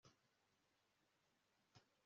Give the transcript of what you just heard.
inzu yanjye itwarwa buri mwaka